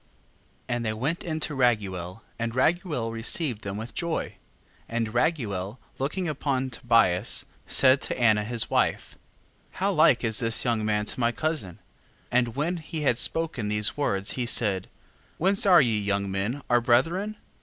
7:1. And they went in to Raguel, and Raguel received them with joy. 7:2. And Raguel looking upon Tobias, said to Anna his wife: How like is this young man to my cousin? 7:3. And when he had spoken these words, he said: Whence are ye young men our brethren?